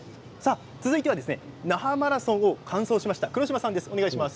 続いては那覇マラソンを完走しました黒島さんです。